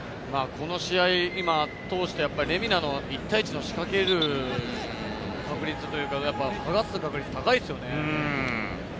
この試合、今通してレミナの１対１の仕掛ける確率というか、やっぱり、ズラす確率高いですよね。